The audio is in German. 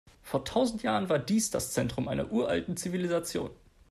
Vor tausend Jahren war dies das Zentrum einer uralten Zivilisation.